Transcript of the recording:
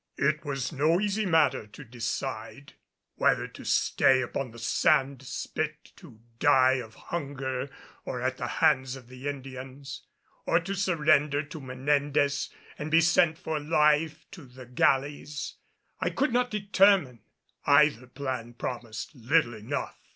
It was no easy matter to decide. Whether to stay upon the sand spit to die of hunger or at the hands of the Indians, or to surrender to Menendez and be sent for life to the galleys, I could not determine. Either plan promised little enough.